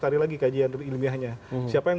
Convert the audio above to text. cari lagi kajian ilmiahnya siapa yang